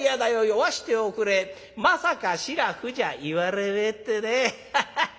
酔わしておくれまさか素面じゃ言われめえ』ってね。ハハハ！」。